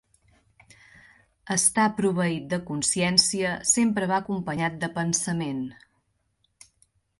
Estar proveït de consciència sempre va acompanyat de pensament.